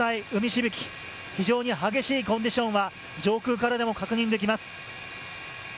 しぶき非常に激しいコンディションは上空からでも確認できます。